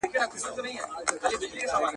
کار د ټولنیز دود برخه ګڼل کېږي.